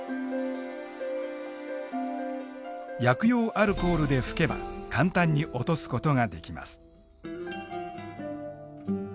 薬用アルコールで拭けば簡単に落とすことができます。